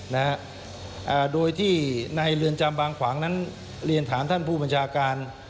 นะฮะอ่าโดยที่ในเรือนจำบางขวางนั้นเรียนถามท่านผู้บัญชาการ